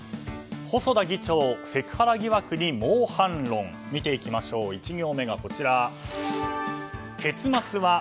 細田議長、セクハラ疑惑に猛反論見ていきましょう１行目が結末は？